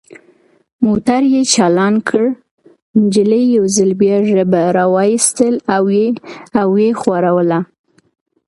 موټر یې چالان کړ، نجلۍ یو ځل بیا ژبه را وایستل او ویې ښوروله.